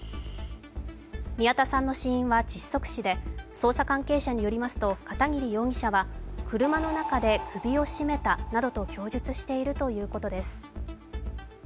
宮田さんの死因は窒息死で操作関係者によりますと片桐容疑者は車の中で首を締めたなどと供述しているということです。